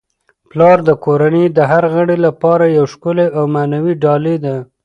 پلار د کورنی د هر غړي لپاره یو ښکلی او معنوي ډالۍ ده.